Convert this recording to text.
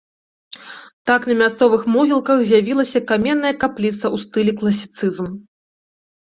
Так на мясцовых могілках з'явілася каменная капліца ў стылі класіцызм.